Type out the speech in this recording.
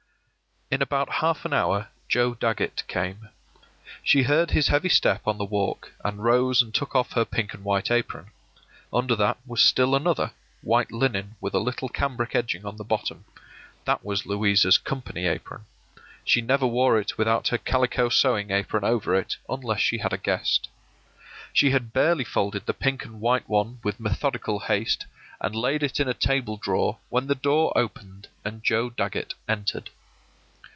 In about half an hour Joe Dagget came. She heard his heavy step on the walk, and rose and took off her pink and white apron. Under that was still another — white linen with a little cambric edging on the bottom; that was Louisa's company apron. She never wore it without her calico sewing apron over it unless she had a guest. She had barely folded the pink and white one with methodical haste and laid it in a table drawer when the door opened and Joe Dagget entered.